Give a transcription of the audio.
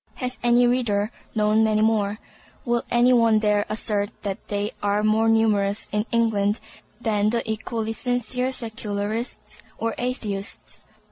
Has any reader known many more? Will any one dare assert that they are more numerous in England than the equally sincere Secularists or Atheists?